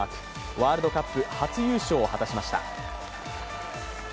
ワールドカップ初優勝を果たしました。